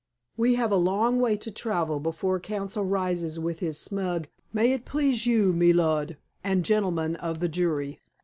We have a long way to travel before counsel rises with his smug 'May it please you, me lud, and gentlemen of the jury.